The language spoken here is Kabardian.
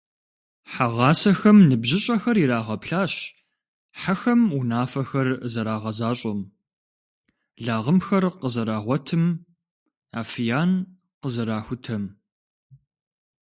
Хьэгъасэхэм ныбжьыщӏэхэр ирагъэплъащ хьэхэм унафэхэр зэрагъэзащӏэм, лагъымхэр къызэрагъуэтым, афиян къызэрахутэм.